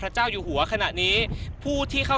และร่วมความรับรับ